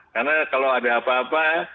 karena kalau ada apa apa